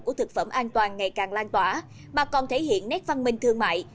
của thực phẩm an toàn ngày càng lan tỏa mà còn thể hiện nét văn minh thương mại